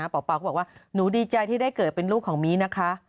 เป่าก็บอกว่าหนูดีใจที่ได้เกิดเป็นลูกของมีนะคะ